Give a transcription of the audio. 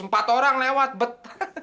empat orang lewat bet